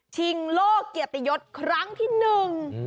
โลกเกียรติยศครั้งที่หนึ่ง